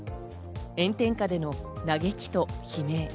炎天下での嘆きと悲鳴。